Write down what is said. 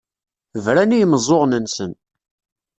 Bran i yimeẓẓuɣen-nsen.